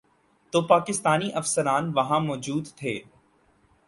تو پاکستانی افسران وہاں موجود تھے۔